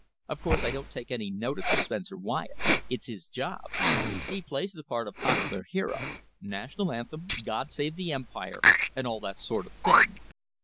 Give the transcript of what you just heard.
Of course, I don't take any notice of Spencer Wyatt. It's his job. He plays the part of popular hero National Anthem, God Save the Empire, and all that sort of thing.